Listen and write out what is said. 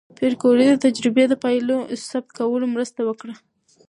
پېیر کوري د تجربې د پایلو ثبت کولو مرسته وکړه.